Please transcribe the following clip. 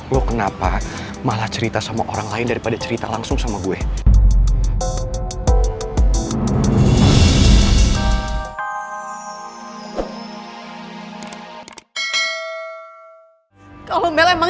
lo kenapa malah cerita sama orang lain daripada cerita langsung sama gue